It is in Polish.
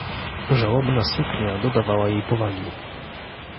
"Żałobna suknia dodawała jej powagi."